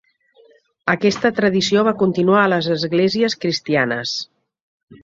Aquesta tradició va continuar a les esglésies cristianes.